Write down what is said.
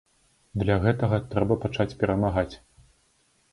Для гэтага трэба пачаць перамагаць.